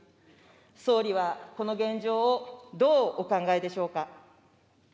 総理はこの現状をどうお考えでしょうか。